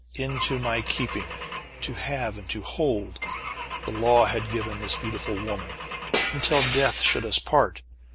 Into my keeping "to have and to hold," the law had given this beautiful woman, "until death should us part."